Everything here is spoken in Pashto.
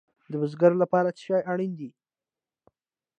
د بزګر لپاره څه شی اړین دی؟